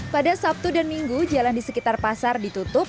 pada sabtu dan minggu jalan di sekitar pasar ditutup